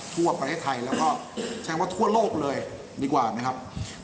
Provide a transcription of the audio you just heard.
ทั่วประเทศไทยแล้วก็ใช้ว่าทั่วโลกเลยดีกว่านะครับ